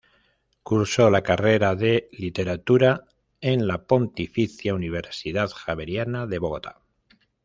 Cursó la carrera de Literatura en la Pontificia Universidad Javeriana de Bogotá.